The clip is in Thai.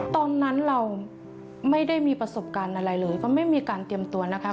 ตอนนั้นเราไม่ได้มีประสบการณ์อะไรเลยเพราะไม่มีการเตรียมตัวนะคะ